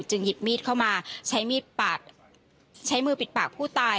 หยิบมีดเข้ามาใช้มีดปาดใช้มือปิดปากผู้ตาย